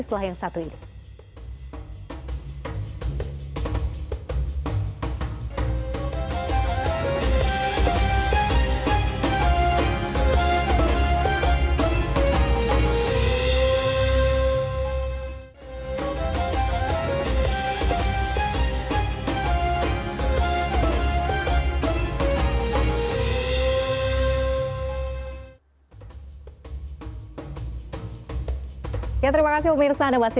setelah yang satu ini